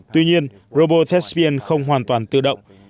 tuy nhiên robo thespian không hoàn toàn tự động